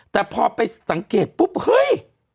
แต่พอไปสังเกตปุ๊บเฮ้ย